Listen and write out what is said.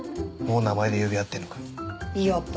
もう名前で呼び合ってんのかよ。